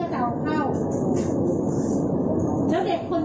เห็นไหมนี่คือเหตุผลของเขาหมาพี่ไม่ใช่หมาสกปรก